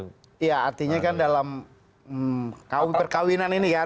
iya artinya kan dalam perkawinan ini kan